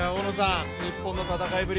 日本の戦いぶり